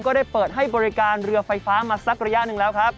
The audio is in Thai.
ได้เปิดให้บริการเรือไฟฟ้ามาสักระยะหนึ่งแล้วครับ